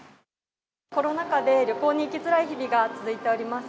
コロナ禍で旅行に行きづらい日々が続いております。